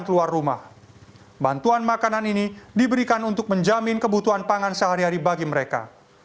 keluar rumah bantuan makanan ini diberikan untuk menjamin kebutuhan pangan sehari hari bagi mereka